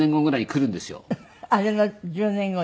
あれの１０年後に？